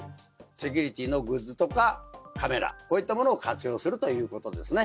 セキュリティーのグッズとかカメラ、こういったものを活用するということですね。